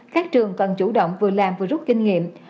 các trường cần chủ động vừa làm vừa rút kinh nghiệm